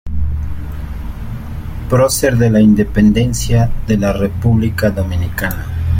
Prócer de la independencia de la República Dominicana.